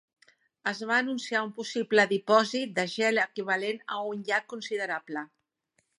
Es va anunciar un possible dipòsit de gel equivalent a un llac considerable.